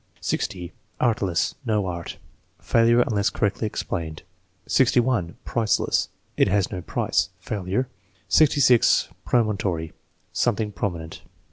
60. Artless. "No art." (Failure unless correctly explained.) 61. Priceless. "It has no price." (Failure.) 66. Promontory. "Something prominent."